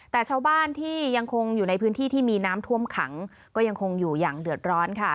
แต่ชาวบ้านที่ยังคงอยู่ในพื้นที่ที่มีน้ำท่วมขังก็ยังคงอยู่อย่างเดือดร้อนค่ะ